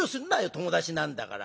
友達なんだから。